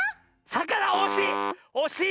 さかなおしい！